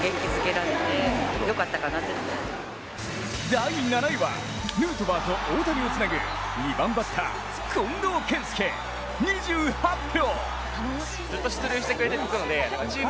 第７位は、ヌートバーと大谷をつなぐ２番バッター・近藤健介、２８票。